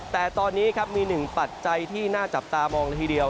แต่ตอนนี้ครับมีหนึ่งปัจจัยที่น่าจับตามองละทีเดียว